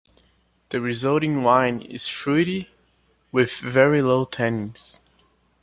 The resulting wine is fruity with very low tannins.